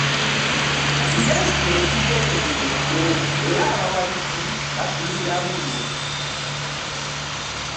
Ndejje tugyetegekedde era abawagizi basuubira wiini.